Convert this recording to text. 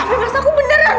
tapi mas aku beneran